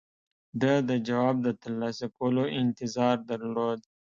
ده د جواب د ترلاسه کولو انتظار درلود.